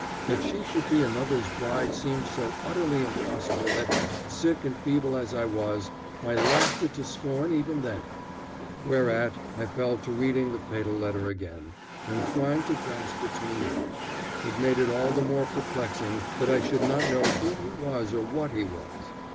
That she should be another's bride seemed so utterly impossible that, sick and feeble as I was, I laughed it to scorn even then; whereat I fell to reading the fatal letter again, and trying to grasp its meaning. It made it all only the more perplexing that I should not know who he was or what he was.